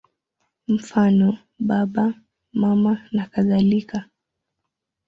Mfano: Baba, Mama nakadhalika.